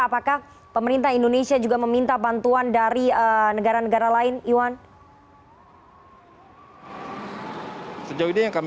apakah pemerintah indonesia juga meminta bantuan dari negara negara lain iwan